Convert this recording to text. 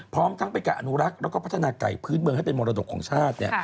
พร้อมทั้งเป็นการอนุรักษ์แล้วก็พัฒนาไก่พื้นเมืองให้เป็นมรดกของชาติ